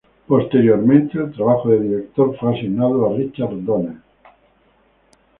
Posteriormente el trabajo de director fue asignado a Richard Donner.